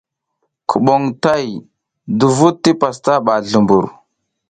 Kuɓom tay duvuɗ ti papas ɓa zlumbur.